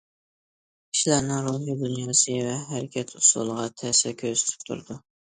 كىشىلەرنىڭ روھىي دۇنياسى ۋە ھەرىكەت ئۇسۇلىغا تەسىر كۆرسىتىپ تۇرىدۇ.